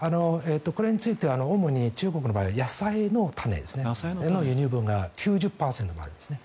これについては主に中国の場合は野菜の種の輸入分が９０％になるんですね。